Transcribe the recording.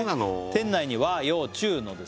店内に和洋中のですね